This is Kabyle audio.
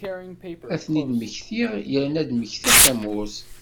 Ad ten-id-mmektiɣ, yerna ad d-mmektiɣ tamurt.